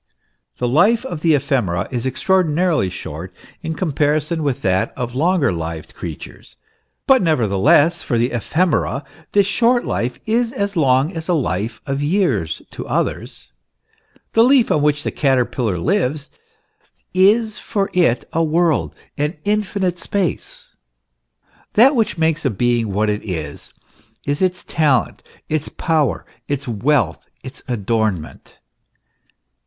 The life of the ephemera is extraordinarily short in comparison with that of longer lived creatures; but nevertheless, for the ephemera this short life is as long as a life of years to others. The leaf on which the caterpillar lives is for it a world, an infinite space. That which makes a being what it is is its talent, its power, its wealth, its adornment.